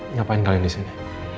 ngapain kalian disini